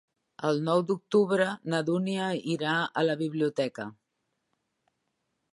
El nou d'octubre na Dúnia irà a la biblioteca.